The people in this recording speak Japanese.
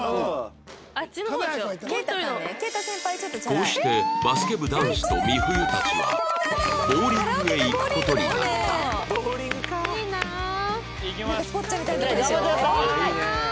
こうしてバスケ部男子と美冬たちはボウリングへ行く事になったなんかスポッチャみたいなとこでしょ。